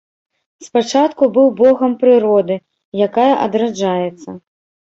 Спачатку быў богам прыроды, якая адраджаецца.